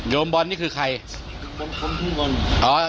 บอลนี่คือใคร